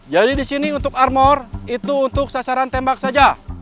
jadi di sini untuk armor itu untuk sasaran tembak saja